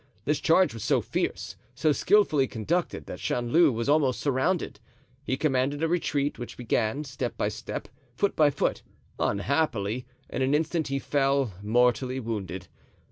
This charge was so fierce, so skillfully conducted, that Chanleu was almost surrounded. He commanded a retreat, which began, step by step, foot by foot; unhappily, in an instant he fell, mortally wounded.